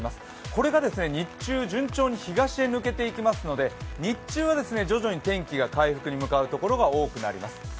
これが日中、順調に東へ抜けていきますので、日中は徐々に天気が回復に向かうところが多くなりそうです。